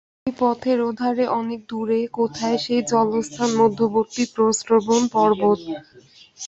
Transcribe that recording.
ওই পথের ওধারে অনেক দূরে কোথায় সেই জনস্থান-মধ্যবতী প্রস্রবণ-পর্বত!